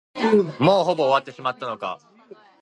もうほぼ終わってしまったのか。